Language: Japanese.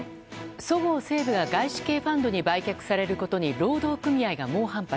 そごう・西武が外資系ファンドに売却されることに労働組合が猛反発。